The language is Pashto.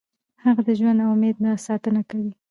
هغه د ژوند او امید ستاینه کوي.